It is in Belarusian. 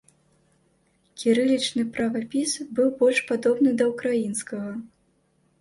Кірылічны правапіс быў больш падобны да ўкраінскага.